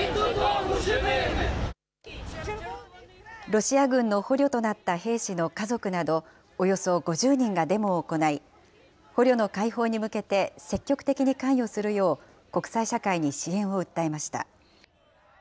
ロシア軍の捕虜となった兵士の家族など、およそ５０人がデモを行い、捕虜の解放に向けて積極的に関与するよう国際社会に支援を訴えました。